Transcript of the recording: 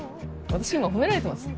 私今褒められてます？